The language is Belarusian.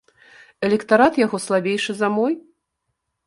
Электарат яго слабейшы за мой?